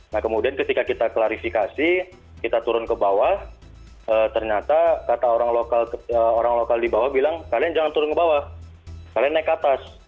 nah kemudian ketika kita klarifikasi kita turun ke bawah ternyata kata orang lokal di bawah bilang kalian jangan turun ke bawah kalian naik ke atas